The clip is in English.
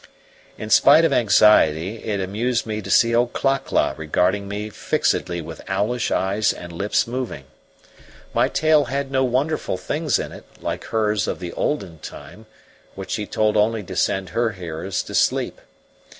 In spite of anxiety it amused me to see old Cla cla regarding me fixedly with owlish eyes and lips moving. My tale had no wonderful things in it, like hers of the olden time, which she told only to send her hearers to sleep.